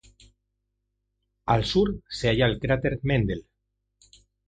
Al sur se halla el cráter Mendel.